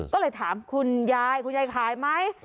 ก็เลยถามคุณยายคุณยายขายไหม